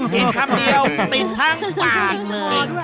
กินคำเดียวติดทั้งปากเลย